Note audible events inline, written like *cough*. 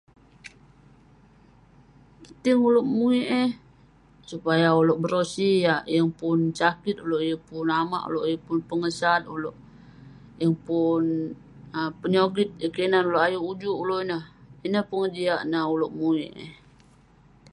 *unintelligible* ulouk muik eh, supaya ulouk berosi, yeng pun sakit ulouk, supaya yeng pun amak ulouk, supaya yeng pun pengesat ulouk, yeng pun um penyogit yah kinan ulouk ayuk ujuk ulouk ineh. Ineh pengejiak neh ulouk muik eh.